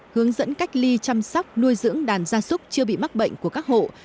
hướng dẫn cách ly chăm sóc nuôi dưỡng đàn gia súc chưa bị mắc bệnh của các hộ